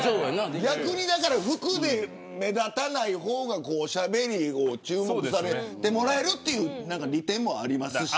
逆に服で目立たない方が、しゃべりを注目されてもらえるという利点もありますし。